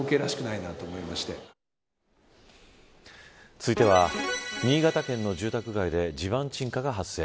続いては、新潟県の住宅街で地盤沈下が発生。